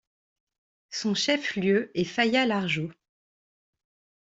Son chef-lieu est Faya-Largeau.